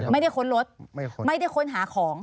ไม่ได้ค้นรถไม่ได้ค้นหาของ